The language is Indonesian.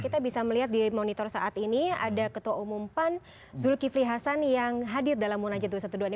kita bisa melihat di monitor saat ini ada ketua umum pan zulkifli hasan yang hadir dalam munajat dua ratus dua belas ini